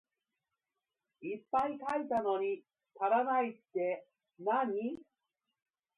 いっぱい書いたのに足らないってなに？